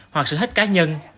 hoặc sự thích cá nhân